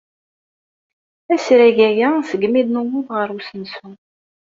Asrag aya segmi d-newweḍ ɣer usensu.